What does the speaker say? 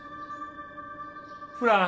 フラン？